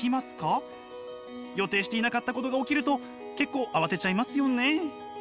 予定していなかったことが起きると結構慌てちゃいますよね。